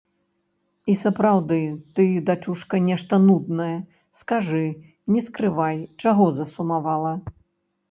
І сапраўды, ты, дачушка, нешта нудная, скажы, не скрывай, чаго засумавала.